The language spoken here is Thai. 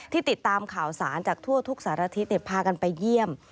ติดตามข่าวสารจากทั่วทุกสารทิศพากันไปเยี่ยม